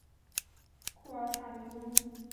库尔塔尼翁。